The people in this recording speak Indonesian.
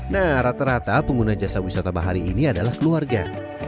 nah rata rata pengguna jasa wisata bahari ini adalah keluarga